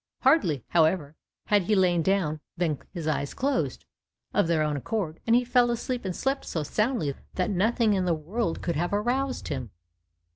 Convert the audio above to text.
Hardly, however, had he lain down, than his eyes closed of their own accord, and he fell asleep and slept so soundly that nothing in the world could have aroused him.